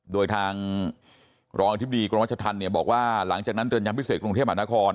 โดยทางรองอธิบดีกรมรัชธรรมเนี่ยบอกว่าหลังจากนั้นเรือนจำพิเศษกรุงเทพมหานคร